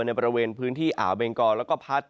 ในบริเวณพื้นที่อ่าวเบงกอแล้วก็พัด